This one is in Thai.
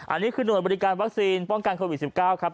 อันนี้คือหน่วยบริการวัคซีนป้องกันโควิด๑๙ครับ